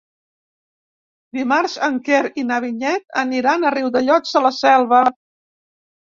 Dimarts en Quer i na Vinyet aniran a Riudellots de la Selva.